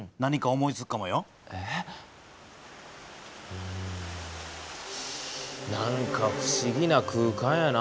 うん何か不思議な空間やな。